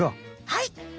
はい。